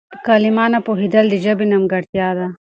په کلمه نه پوهېدل د ژبې نيمګړتيا نه ده.